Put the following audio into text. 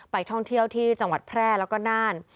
ท่องเที่ยวที่จังหวัดแพร่แล้วก็น่าน